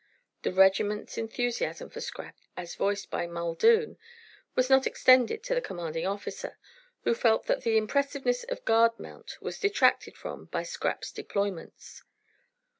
The regiment's enthusiasm for Scrap, as voiced by Muldoon, was not extended to the commanding officer, who felt that the impressiveness of guard mount was detracted from by Scrap's deployments.